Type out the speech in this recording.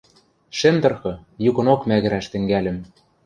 шӹм тырхы, юкынок мӓгӹрӓш тӹнгӓльӹм...